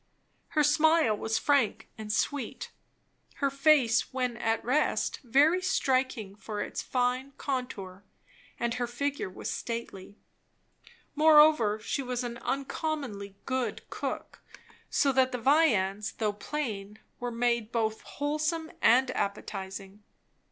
Her smile was frank and sweet; her face when at rest very striking for its fine contour; and her figure was stately. Moreover, she was an uncommonly good cook; so that the viands, though plain, were made both wholesome and appetizing.